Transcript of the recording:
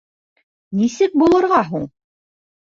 Нисек булырға һуң?